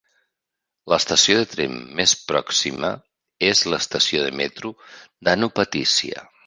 L'estació de tren més pròxima és l'estació de metro d'Ano Patisia.